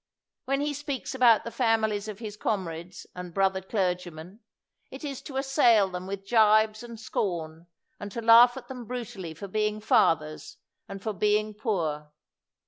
"When he speaks about the families of his comrades and brother clergA men, it is to assail them with gibes and scorn, and to laugh at them brutally for being fathers and for being poor.